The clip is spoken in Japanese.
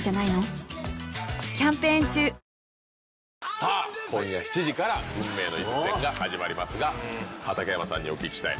さぁ今夜７時から運命の一戦が始まりますが、畠山さんにお聞きしたい。